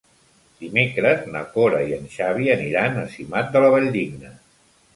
Dimecres na Cora i en Xavi aniran a Simat de la Valldigna.